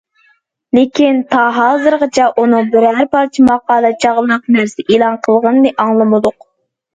لېكىن، تا ھازىرغىچە ئۇنىڭ بىرەر پارچە ماقالە چاغلىق نەرسە ئېلان قىلغىنىنى ئاڭلىمىدۇق.